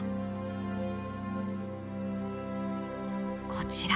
こちら。